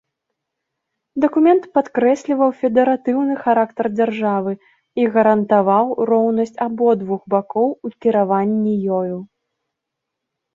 Дакумент падкрэсліваў федэратыўны характар дзяржавы і гарантаваў роўнасць абодвух бакоў у кіраванні ёю.